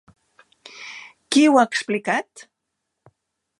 Qui ho ha explicat?